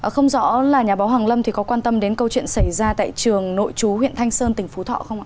không rõ là nhà báo hoàng lâm thì có quan tâm đến câu chuyện xảy ra tại trường nội chú huyện thanh sơn tỉnh phú thọ không ạ